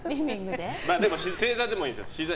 でも、正座でもいいです。